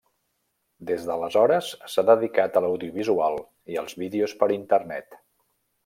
Des d'aleshores s'ha dedicat a l'audiovisual i als vídeos per Internet.